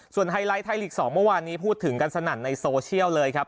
ไฮไลท์ไทยลีก๒เมื่อวานนี้พูดถึงกันสนั่นในโซเชียลเลยครับ